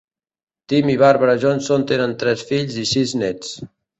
Tim i Barbara Johnson tenen tres fills i sis nets.